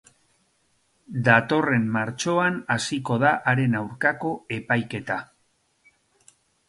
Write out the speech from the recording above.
Datorren martxoan hasiko da haren aurkako epaiketa.